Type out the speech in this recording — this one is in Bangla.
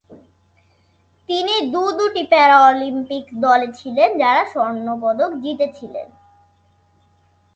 তিনি দু-দুটি প্যারা অলিম্পিক দলে ছিলেন যারা স্বর্ণ পদক জিতেছিলেন।